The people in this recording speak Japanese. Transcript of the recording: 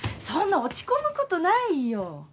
そんな落ち込むことないよ。